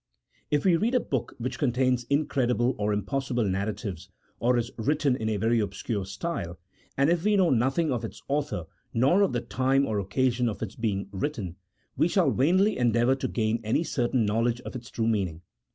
If we read a book which contains incredible or impos sible narratives, or is written in a very obscure style, and if we know nothing of its author, nor of the time or occa sion of its being written, we shall vainly endeavour to gain any certain knowledge of its true meaning.